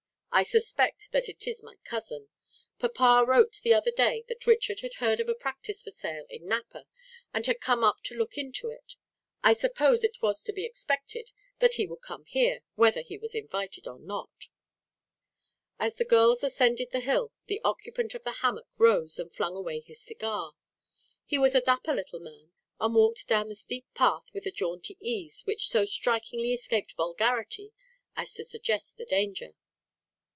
"I suspect that it is my cousin. Papa wrote the other day that Richard had heard of a practice for sale in Napa, and had come up to look into it. I suppose it was to be expected that he would come here, whether he was invited or not." As the girls ascended the hill, the occupant of the hammock rose and flung away his cigar. He was a dapper little man, and walked down the steep path with a jaunty ease which so strikingly escaped vulgarity as to suggest the danger.